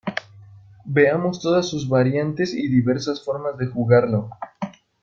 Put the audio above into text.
Veamos todas sus variantes y diversas formas de jugarlo.